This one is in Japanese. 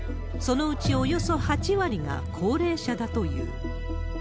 そのうちおよそ８割が高齢者だという。